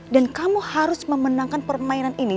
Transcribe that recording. dan kamu harus memenangkan permainan ini